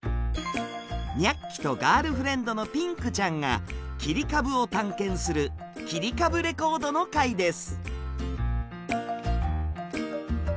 ニャッキとガールフレンドのピンクちゃんが切り株を探検する「きりかぶレコード」の回です。